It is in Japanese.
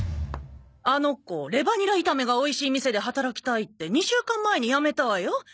あの子レバニラ炒めがおいしい店で働きたいって２週間前に辞めたわよ。